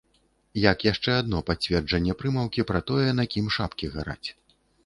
Як яшчэ адно пацверджанне прымаўкі пра тое, на кім шапкі гараць.